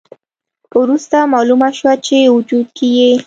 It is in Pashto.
وروسته مالومه شوه چې وجود کې یې